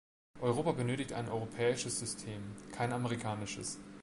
Europa benötigt ein europäisches System, kein amerikanisches.